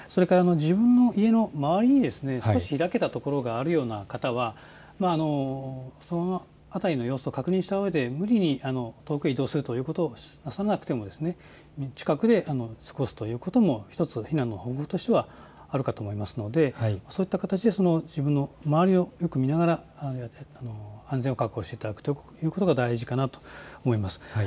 自分の家の周りに少し開けたところがあるような方はその辺りの様子を確認したうえで無理に遠くへ移動することはしなくても近くで過ごすということも１つ、避難の方法としてはあるかと思いますので、そういった形で自分の周りをよく見ながら安全を確保していただくということが大事かなと思います。